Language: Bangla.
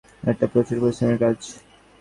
এটা প্রচুর পরিশ্রমের কাজ।